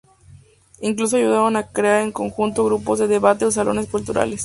Incluso ayudaron a crear en conjunto grupos de debate o salones culturales.